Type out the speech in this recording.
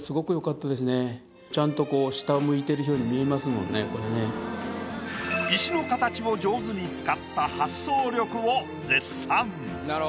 ちゃんとこう石の形を上手に使った発想力を絶賛。